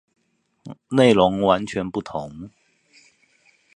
內容完全不同